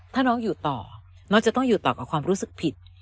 ถ้าน้องอยู่ต่อน้องจะต้องอยู่ต่อกับความรู้สึกผิด